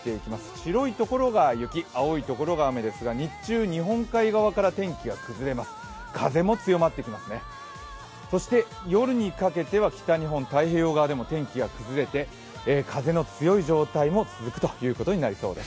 白いところが雪、青いところが雨ですが日中、日本海側から天気が崩れます風も強まってきますね、そして夜にかけては北日本太平洋側でも天気が崩れて風の強い状態も続くということになりそうです。